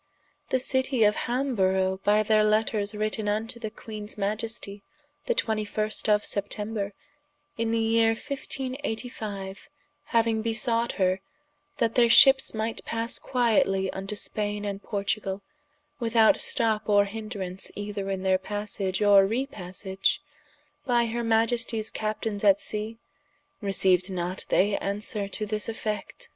The Citie of Hamborough by their letters written vnto the Queenes Maiestie, the 21. of September, in the yeere 1585 hauing besought her, that their ships might passe quietly vnto Spaine and Portugal, without stop or hindrance either in their passage or repassage, by her Maiesties Captaines at Sea, receiued not they answere to this effect?